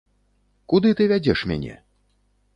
Куды ты вядзеш мяне?